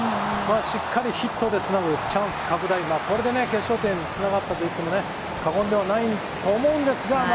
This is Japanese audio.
しっかりヒットでつながる、チャンス拡大、これで決勝点、つながったと言っても過言ではないと思います。